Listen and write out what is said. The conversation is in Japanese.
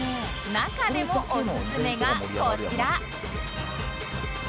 中でもオススメがこちら